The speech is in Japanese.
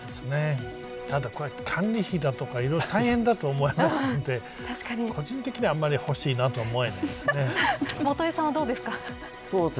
ただこれ管理費だとかいろいろ大変だと思いますので個人的には欲しいなと思えないですね。